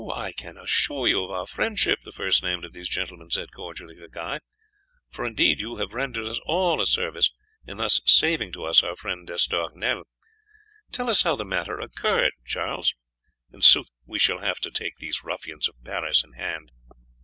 "I can assure you of our friendship," the first named of these gentlemen said cordially to Guy, "for indeed you have rendered us all a service in thus saving to us our friend D'Estournel. Tell us how the matter occurred, Charles; in sooth, we shall have to take these ruffians of Paris in hand.